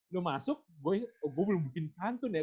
lu masuk gue belum bikin pantun ya